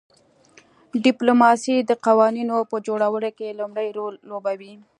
ډیپلوماسي د قوانینو په جوړولو کې لومړی رول لوبوي